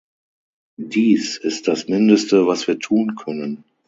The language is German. Dies ist das Mindeste, was wir tun können.